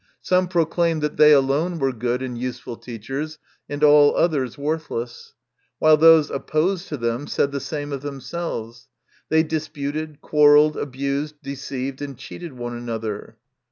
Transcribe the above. Some proclaimed that they alone were good and useful teachers, and all others worthless ; while those opposed to them said the same of themselves. They disputed, quarrelled, abused, deceived, and cheated one another.